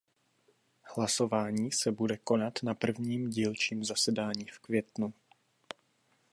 Hlasování se bude konat na prvním dílčím zasedání v květnu.